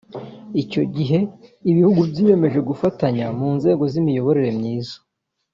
Icyo gihe ibihugu byiyemeje gufatanya mu nzego z’imiyoborere myiza